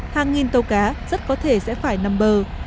hàng nghìn tàu cá rất có thể sẽ phải nằm bờ